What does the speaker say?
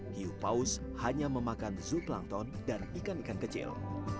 hiu paus hanya memakan zooplankton dan ikan ikan kecil